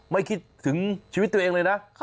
ไม่คิดถึงชีวิตตัวเองเลยนะ